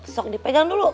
sok dipegang dulu